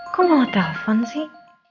kok malah telfon sih